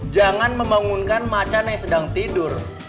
jangan membangunkan macan yang sedang tidur